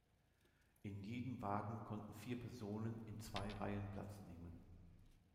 In jedem Wagen konnten vier Personen in zwei Reihen Platz nehmen.